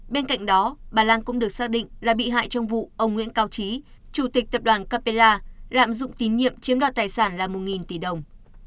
bên cạnh đó bà lan cũng được xác định là bị hại trong vụ ông nguyễn cao trí chủ tịch tập đoàn capella lạm dụng tín nhiệm chiếm đoạt tài sản là một tỷ đồng